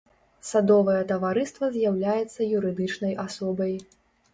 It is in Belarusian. Садовае таварыства з'яўляецца юрыдычнай асобай.